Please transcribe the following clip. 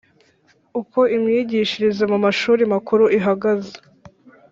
uko imyigishirize mu mashuri makuru ihagaze